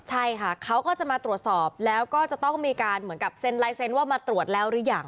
ใช่ค่ะเขาก็จะมาตรวจสอบแล้วก็จะต้องมีการเหมือนกับเซ็นลายเซ็นต์ว่ามาตรวจแล้วหรือยัง